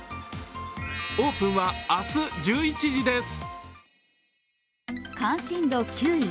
オープンは明日１１時です。